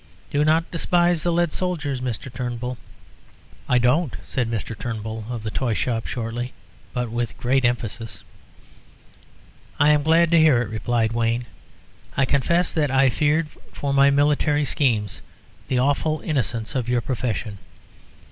Do not despise the lead soldiers, Mr. Turnbull." "I don't," said Mr. Turnbull, of the toy shop, shortly, but with great emphasis. "I am glad to hear it," replied Wayne. "I confess that I feared for my military schemes the awful innocence of your profession.